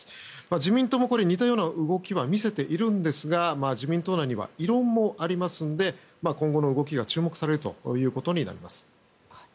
自民党も似たような動きは見せているんですが自民党内には異論もありますので今後の動きが注目されるということになります。